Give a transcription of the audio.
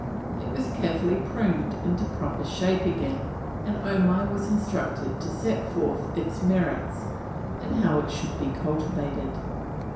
It was carefully pruned into proper shape again, and Omai was instructed to set forth its merits and how it should be cultivated.